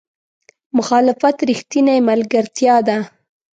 مخالفت رښتینې ملګرتیا ده.